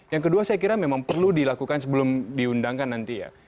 yang kedua saya kira memang perlu dilakukan sebelum diundangkan nanti ya